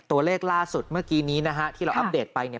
ตัวเลขล่าสุดเมื่อกี้นี้นะฮะที่เราอัปเดตไปเนี่ย